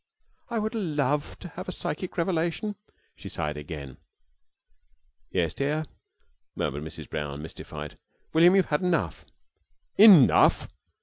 "I would love to have a psychic revelation," she sighed again. "Yes, dear," murmured Mrs. Brown, mystified. "William, you've had enough." "_Enough?